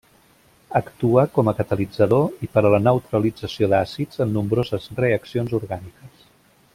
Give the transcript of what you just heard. Actua com a catalitzador i per a la neutralització d'àcids en nombroses reaccions orgàniques.